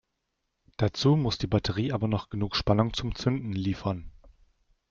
Dazu muss die Batterie aber noch genug Spannung zum Zünden liefern.